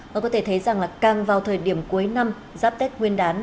và có thể thấy rằng là càng vào thời điểm cuối năm giáp tết nguyên đán